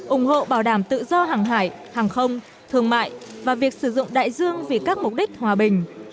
ủng hộ bảo đảm tự do hàng hải hàng không thương mại và việc sử dụng đại dương vì các mục đích hòa bình